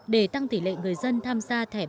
để tăng tỷ lệ người dân tham gia thẻ bảo hiểm